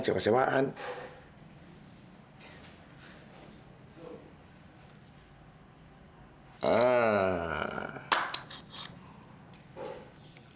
gua tau aja kayak gimana